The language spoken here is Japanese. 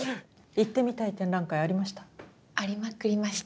行ってみたい展覧会ありました？